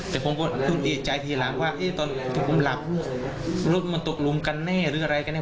แต่ผมก็คือดีใจทีหลังว่าเอ๊ะตอนที่ผมหลับรถมันตกหลุมกันแน่หรืออะไรกันเนี่ย